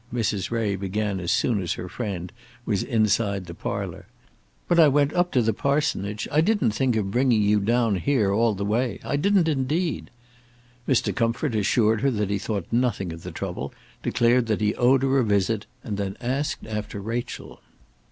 Mrs. Ray began as soon as her friend was inside the parlour. "When I went up to the parsonage I didn't think of bringing you down here all the way; I didn't indeed." Mr. Comfort assured her that he thought nothing of the trouble, declared that he owed her a visit, and then asked after Rachel.